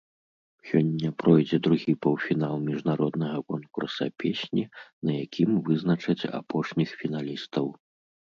Сёння пройдзе другі паўфінал міжнароднага конкурса песні, на якім вызначаць апошніх фіналістаў.